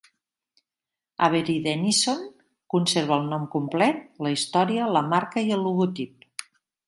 Avery Dennison conserva el nom complet, la història, la marca i el logotip.